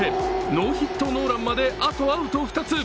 ノーヒットノーランまであと、アウト２つ。